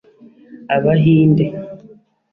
Abahinde